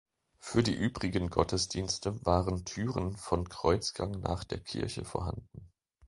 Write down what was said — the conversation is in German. Für die übrigen Gottesdienste waren Türen von Kreuzgang nach der Kirche vorhanden.